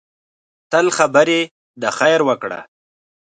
تل خبرې د خیر وکړه